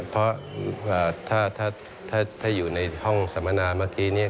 เพราะถ้าอยู่ในห้องสมนาเมื่อกี้